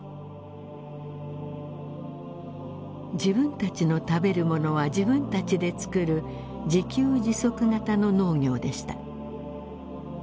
自分たちの食べる物は自分たちで作る自給自足型の農業でした。